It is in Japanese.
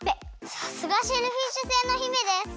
さすがシェルフィッシュ星の姫です！